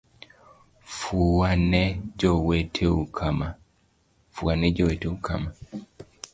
Fuwa ne joweteu kama.